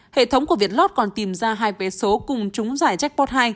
hệ thống của việt lot còn tìm ra hai vé số cùng chúng giải jackpot hai